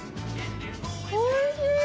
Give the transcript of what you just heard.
おいしい！